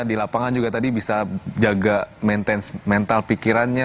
di lapangan juga tadi bisa jaga mental pikirannya